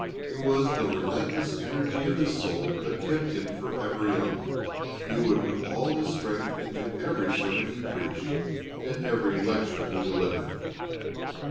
It was the restless energy of his soul that kept him for ever young. He would put all his strength into every sermon he preached, and every lecture he delivered.